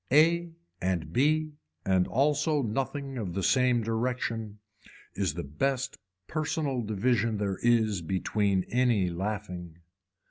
A and B and also nothing of the same direction is the best personal division there is between any laughing.